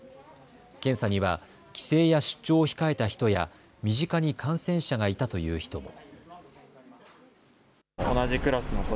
検査には帰省や出張を控えた人や身近に感染者がいたという人も。